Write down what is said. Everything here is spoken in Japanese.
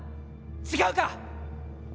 違うか？